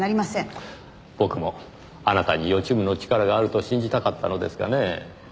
僕もあなたに予知夢の力があると信じたかったのですがねぇ。